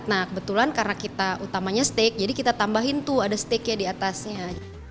nah kebetulan karena kita utamanya steak jadi kita tambahin tuh ada steaknya di atasnya